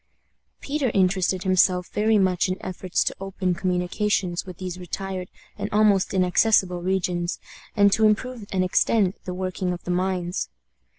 Peter interested himself very much in efforts to open communications with these retired and almost inaccessible regions, and to improve and extend the working of the mines.